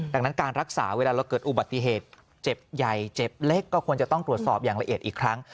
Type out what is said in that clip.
ดังนั้นการรักษาเวลาเราเกิดอุบัติเหตุเจ็บใหญ่เจ็บเล็กก็ควรจะต้องตรวจสอบอย่างละเอียดอีกครั้ง